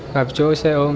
gặp chú xe ôm